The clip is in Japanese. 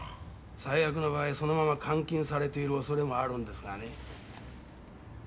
最悪の場合そのまま監禁されているおそれもあるんですがね。